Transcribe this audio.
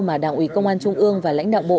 mà đảng ủy công an trung ương và lãnh đạo bộ